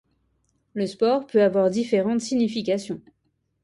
Le sport peut avoir différentes significations.